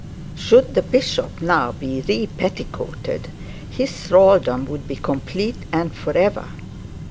Should the bishop now be repetticoated, his thraldom would be complete and for ever.